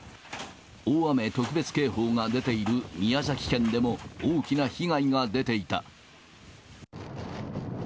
大雨特別警報が出ている宮崎県でも大きな被害が出ていた。